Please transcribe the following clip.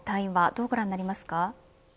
どうご覧になりますか。